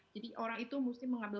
jadi orang itu mesti mengambil